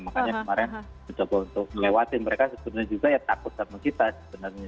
makanya kemarin mencoba untuk ngelewatin mereka sebenarnya juga ya takut sama kita sebenarnya